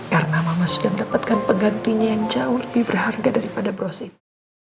karena mama sudah mendapatkan pegantinya yang jauh lebih berharga daripada brush itu